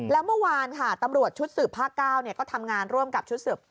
แล้วเมื่อวานค่ะตำรวจชุดสืบภาค๙ก็ทำงานร่วมกับชุดสืบ